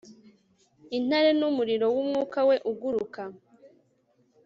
Intare numuriro wumwuka we uguruka